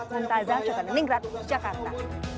minta azal jogja nenenggerat jakarta